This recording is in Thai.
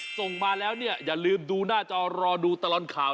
ส่งมาแล้วเนี่ยอย่าลืมดูหน้าจอรอดูตลอดข่าว